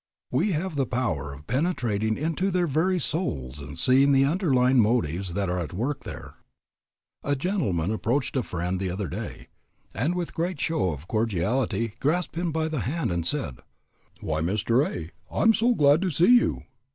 We have the power of penetrating into their very souls and seeing the underlying motives that are at work there. A gentleman approached a friend the other day, and with great show of cordiality grasped him by the hand and said, "Why, Mr. , I am so glad to see you."